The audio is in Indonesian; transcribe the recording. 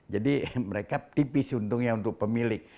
jadi mereka tipis untungnya untuk pemilik